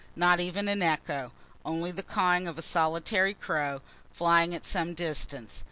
Not even an echo; only the cawing of a solitary crow, flying at some distance.